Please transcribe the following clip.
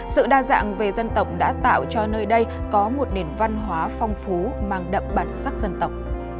sự đa dạng về dân tộc đã tạo cho nơi đây có một nền văn hóa phong phú mang đậm bản sắc dân tộc